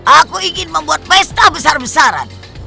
aku ingin membuat pesta besar besaran